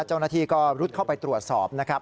เจ้าหน้าที่ก็รุดเข้าไปตรวจสอบนะครับ